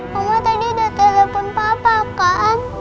kamu tadi udah telepon papa kan